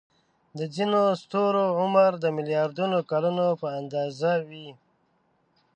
د ځینو ستورو عمر د ملیاردونو کلونو په اندازه وي.